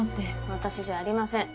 私じゃありません。